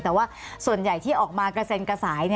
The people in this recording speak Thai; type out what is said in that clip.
แต่ว่าส่วนใหญ่ที่ออกมากระเซ็นกระสาย